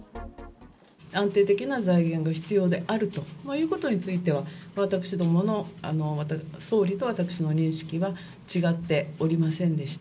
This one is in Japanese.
安定的な財源が必要であるということについては、私どもの、総理と私の認識は違っておりませんでした。